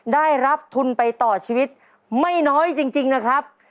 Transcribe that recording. ได้รับทุนไปต่อชีวิตไม่น้อยจริงนะครับ